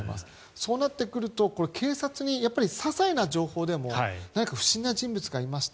そうなってくると警察にささいな情報でも不審な人物がいました